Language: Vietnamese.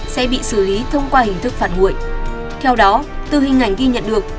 sẽ bị xử lý thông qua hình thức phản nguội